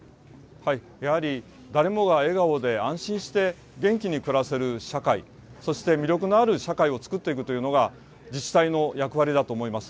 やはり誰もが笑顔で安心して、元気に暮らせる社会、そして魅力のある社会を作っていくというのが自治体の役割だと思います。